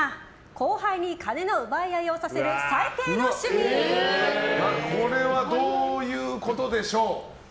後輩に金の奪い合いをさせるこれはどういうことでしょう？